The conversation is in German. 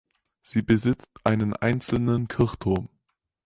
Sie besitzt einen einzelnen Kirchturm.